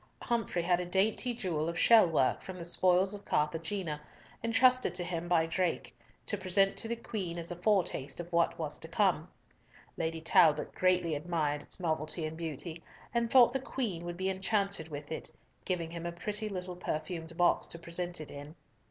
Humfrey had a dainty jewel of shell work from the spoils of Carthagena, entrusted to him by Drake to present to the Queen as a foretaste of what was to come. Lady Talbot greatly admired its novelty and beauty, and thought the Queen would be enchanted with it, giving him a pretty little perfumed box to present it in.